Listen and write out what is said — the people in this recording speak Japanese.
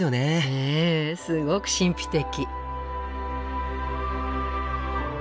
ええすごく神秘的。